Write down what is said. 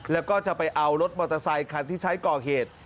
แล้วก็จะไปเอารถมอเตอร์ไซคันที่ใช้ก่อเหตุ